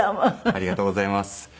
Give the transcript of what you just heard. ありがとうございます。